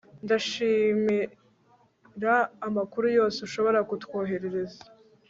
ndashimira amakuru yose ushobora kutwoherereza